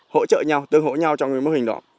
hỗ trợ nhau tương hỗ nhau trong cái mô hình đó